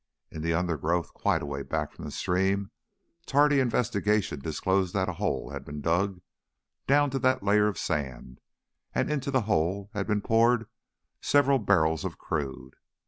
In the undergrowth, quite a way back from the stream, tardy investigation disclosed that a hole had been dug down to that layer of sand and into the hole had been poured several barrels of "crude."